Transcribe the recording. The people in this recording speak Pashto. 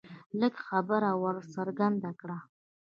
لږ خبره ور څرګنده کړه